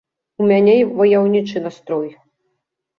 У мяне ваяўнічы настрой.